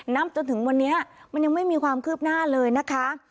จนถึงวันนี้มันยังไม่มีความคืบหน้าเลยนะคะ